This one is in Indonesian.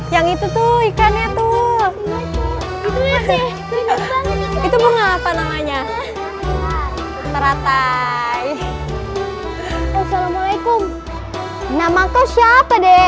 yang itu tuh ikannya tuh itu bunga apa namanya teratai assalamualaikum nama kau siapa deh